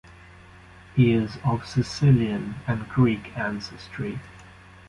He is of Sicilian and Greek ancestry.